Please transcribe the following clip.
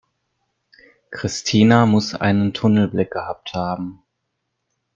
Christina muss einen Tunnelblick gehabt haben.